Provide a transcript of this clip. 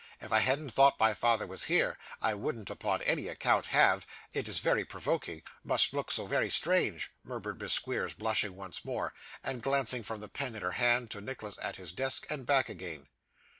If I hadn't thought my father was here, I wouldn't upon any account have it is very provoking must look so very strange,' murmured Miss Squeers, blushing once more, and glancing, from the pen in her hand, to Nicholas at his desk, and back again.